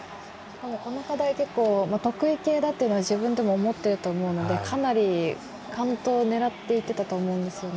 この課題、結構得意系だったと自分でも思ってると思うのでかなり完登を狙っていってたと思うんですよね。